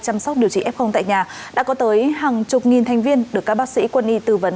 chăm sóc điều trị f tại nhà đã có tới hàng chục nghìn thành viên được các bác sĩ quân y tư vấn